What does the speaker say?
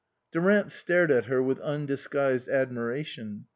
Durant stared at her with undisguised ad miration.